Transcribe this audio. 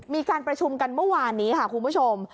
มีการประชุมกันเมื่อวานนี้ค่ะคุณผู้ชม